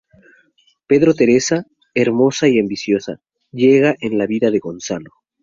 Pero Teresa, hermosa y ambiciosa, llega en la vida de Gonzalo.